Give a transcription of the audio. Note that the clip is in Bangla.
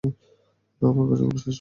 আমার কাজ এখনও শেষ হয়নি।